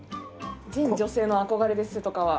全女性の憧れですせとかは。